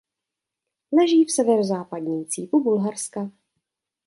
Leží v severozápadním cípu Bulharska.